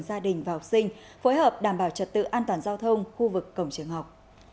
gia đình và học sinh phối hợp đảm bảo trật tự an toàn giao thông khu vực cổng trường học